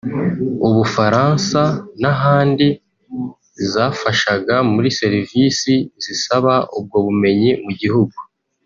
Ubufaransa n’ahandi zafashaga muri serevisi zisaba ubwo bumenyi mu gihugu